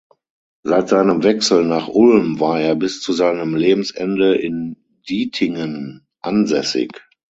Seit seinem Wechsel nach Ulm war er bis zu seinem Lebensende in Dietingen ansässig.